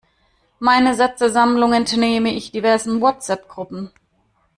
Meine Sätzesammlung entnehme ich diversen WhatsApp-Gruppen.